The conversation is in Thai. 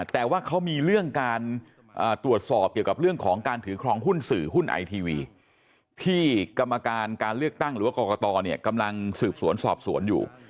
แต่ว่าเขามีเรื่องการตรวจสอบเกี่ยวกับเรื่องของการถือครองหุ้นสื่อหุ้นไอทีวีที่กรรมการการเลือกตั้งหรือว่ากรกตกำลังสืบสวนสอบสวนอยู่